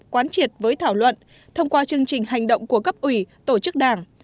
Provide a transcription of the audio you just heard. quán triệt với thảo luận thông qua chương trình hành động của cấp ủy tổ chức đảng